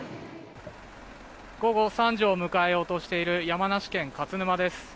午後３時を迎えようとしている山梨県勝沼です。